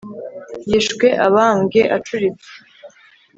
yishwe abambwe acuritse